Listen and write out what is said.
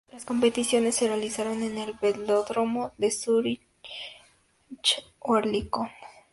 Las competiciones se realizaron en el Velódromo de Zúrich Oerlikon.